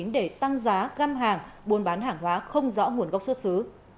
để tăng giá găm hàng buôn bán hàng hóa không rõ nguồn gốc xuất xứ